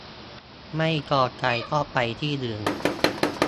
ไม่พอใจก็ไปที่อื่น